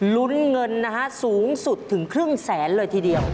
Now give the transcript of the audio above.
ลุ้นเงินนะฮะสูงสุดถึงครึ่งแสนเลยทีเดียว